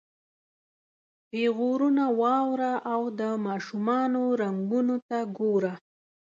پیغورونه واوره او د ماشومانو رنګونو ته ګوره.